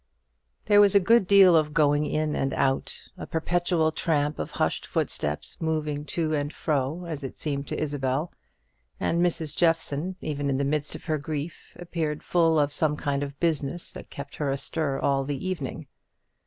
There was a good deal of going in and out, a perpetual tramp of hushed footsteps moving to and fro, as it seemed to Isabel; and Mrs. Jeffson, even in the midst of her grief, appeared full of some kind of business that kept her astir all the evening.